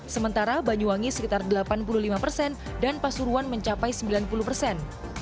sementara banyuwangi sekitar delapan puluh lima persen dan pasuruan mencapai sembilan puluh persen